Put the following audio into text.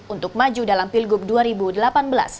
untuk maju dalam pilgub dua ribu delapan belas